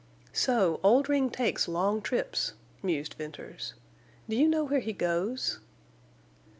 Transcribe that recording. "So Oldring takes long trips," mused Venters. "Do you know where he goes?"